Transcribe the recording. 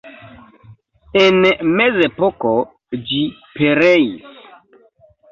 En mezepoko ĝi pereis.